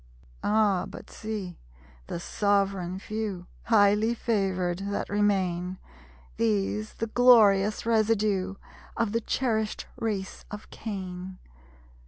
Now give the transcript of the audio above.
Ah, but see the sovereign Few, Highly favored, that remain! These, the glorious residue, Of the cherished race of Cain.